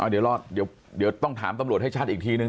เดี๋ยวต้องถามตำรวจให้ชัดอีกทีนึง